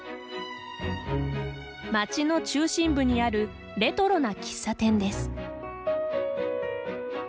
町の中心部にあるレトロな喫茶店です。